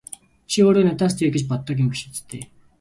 Чи өөрийгөө надаас дээр гэж боддог юм биш биз дээ!